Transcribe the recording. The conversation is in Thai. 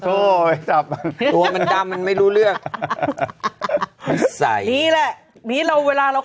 ตัวมันดำตัวมันดำมันไม่รู้เลือกนี้แหละนี้เราเวลาเรา